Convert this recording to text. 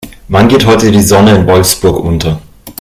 Wann geht heute die Sonne in Wolfsburg unter?